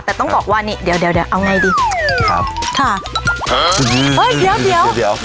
แต่ต้องบอกว่านี่เดี๋ยวเดี๋ยวเดี๋ยวเอาไงดีครับค่ะเออเฮ้ยเดี๋ยวเดี๋ยว